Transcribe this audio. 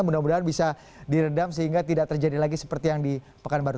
mudah mudahan bisa diredam sehingga tidak terjadi lagi seperti yang di pekanbaru